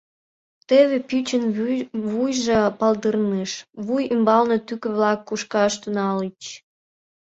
Теве пӱчын вуйжо палдырныш, вуй ӱмбалне тӱкӧ-влак кушкаш тӱҥальыч.